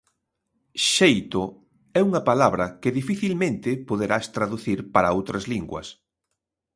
"Xeito" é unha palabra que dificilmente poderás traducir para outras línguas